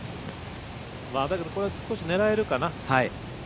だけど、これ、少し狙えるかな。